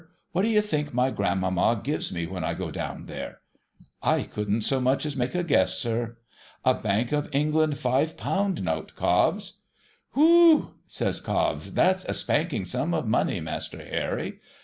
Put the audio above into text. ' What do you think my grandmamma gives me when I go down there ?'' I couldn't so much as make a guess, sir.' ' A Bank of England five pound note, Cobbs^ ' Whew !' says Cobbs, ' that's a spanking sum of money, Master Harry.'